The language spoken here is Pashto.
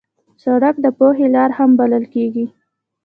سړک د پوهې لار هم بلل کېږي.